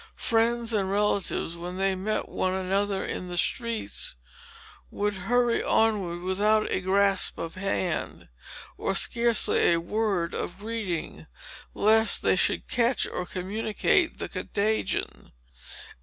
Friends and relatives, when they met one another in the streets, would hurry onward without a grasp of the hand, or scarcely a word of greeting, lest they should catch or communicate the contagion.